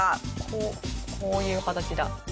こうこういう形だ。